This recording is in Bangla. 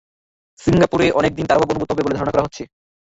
সিঙ্গাপুরে অনেক দিন তাঁর অভাব অনুভূত হবে বলে ধারণা করা হচ্ছে।